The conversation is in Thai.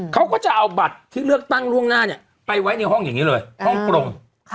เขาก็จะเอาบัตรที่เลือกตั้งล่วงหน้าไปไว้ในห้องอย่างนี้เลยฮ่องกง